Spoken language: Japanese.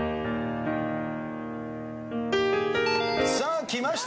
さあきました。